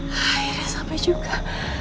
hai udah sampai juga